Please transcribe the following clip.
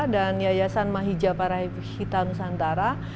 dan yayasan mahijapara hita nusantara